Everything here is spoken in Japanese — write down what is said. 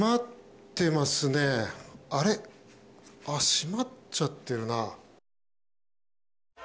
閉まっちゃってるな。